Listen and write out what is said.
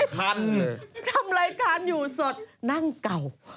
ทันทำรายการอยู่สดนั่งเก่า